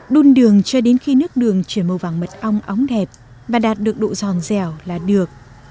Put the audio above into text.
đun đường cho đến khi nước đường chuyển màu vàng mật ong óng đẹp và đạt được độ giòn dẻo là được